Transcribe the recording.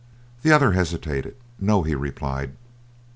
The other hesitated. "No," he replied.